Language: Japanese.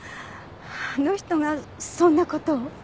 あの人がそんな事を？